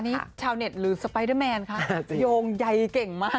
ชาวเน็ตหรือสไปเดอร์แมนคะโยงใยเก่งมาก